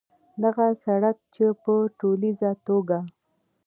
دغه سړک چې په ټولیزه توګه